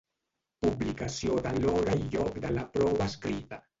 Publicació de l'hora i lloc de la prova escrita.